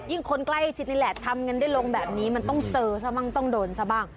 คนใกล้ชิดนี่แหละทำกันได้ลงแบบนี้มันต้องเจอซะบ้างต้องโดนซะบ้าง